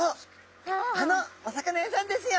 あっあのお魚屋さんですよ！